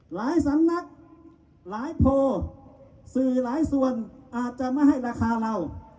หลายสำนักหลายโพลสื่อหลายส่วนอาจจะไม่ให้ราคาเรา